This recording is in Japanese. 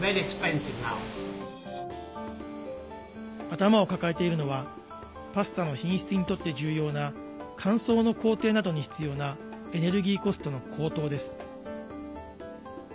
頭を抱えているのはパスタの品質にとって重要な乾燥の工程などに必要なエネルギーコストの高騰です。